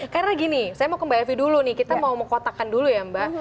karena gini saya mau ke mbak evi dulu nih kita mau mengkotakkan dulu ya mbak